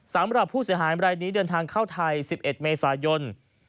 สำหรับผู้เสียหายรายนี้เดินทางเข้าไทย๑๑เมษายน